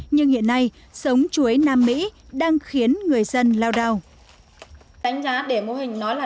nhưng hiện nay sống chuối nam mỹ đang khiến người dân lao đao